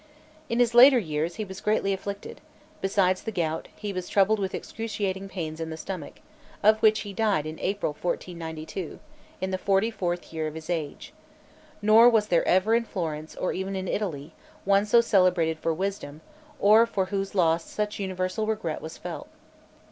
In his later years, he was greatly afflicted; besides the gout, he was troubled with excruciating pains in the stomach, of which he died in April, 1492, in the forty fourth year of his age; nor was there ever in Florence, or even in Italy, one so celebrated for wisdom, or for whose loss such universal regret was felt.